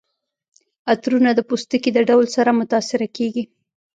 عطرونه د پوستکي د ډول سره متاثره کیږي.